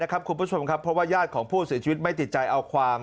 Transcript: คุณผู้ชมครับเพราะว่าญาติของผู้เสียชีวิตไม่ติดใจเอาความ